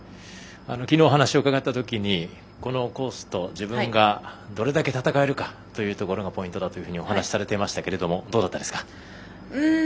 きのうお話を伺ったときにこのコースと自分がどれだけ戦えるかというところがポイントだと話されていましたがどうだったですか？